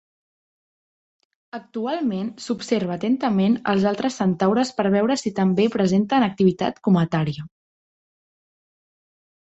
Actualment, s'observa atentament els altres centaures per veure si també presenten activitat cometària.